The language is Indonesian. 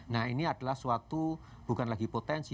nah ini adalah suatu bukan lagi potensi